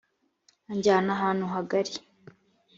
anjyana ahantu hagari